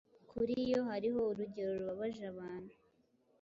kuri yo Hariho urugero rubabaje abantu